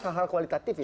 hal hal kualitatif itu